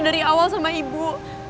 dari awal sama ibu